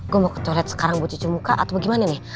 gue mau ke toilet sekarang buat cucu muka atau gimana nih